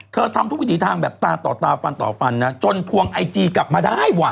เธอทำคนที่ทางแบบต่อตาต่อฟันต่อฟันนะจนพวงไอจีกลับมาได้วะ